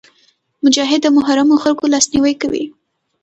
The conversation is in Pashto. مجاهد د محرومو خلکو لاسنیوی کوي.